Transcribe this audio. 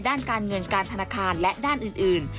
ด้านการเงินการธนาคารและด้านอื่น